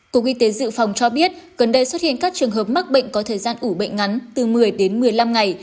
cục y tế dự phòng cho biết gần đây xuất hiện các trường hợp mắc bệnh có thời gian ủ bệnh ngắn từ một mươi đến một mươi năm ngày